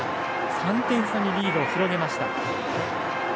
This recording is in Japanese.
３点差にリードを広げました。